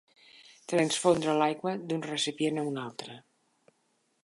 Transfondre l'aigua d'un recipient a un altre.